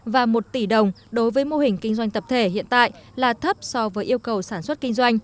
và một tỷ đồng đối với mô hình kinh doanh tập thể hiện tại là thấp so với yêu cầu thực tế